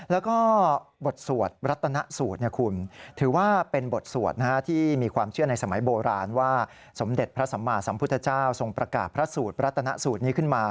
แล้วก็บทสวดพระตนะสูตรคุณ